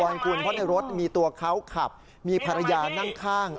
คุณเพราะในรถมีตัวเขาขับมีภรรยานั่งข้าง